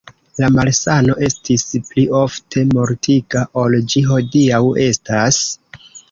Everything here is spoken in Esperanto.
La malsano estis pli ofte mortiga ol ĝi hodiaŭ estas.